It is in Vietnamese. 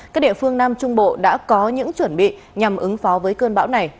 các địa phương nam trung bộ đã có những chuẩn bị nhằm ứng phó với cơn bão này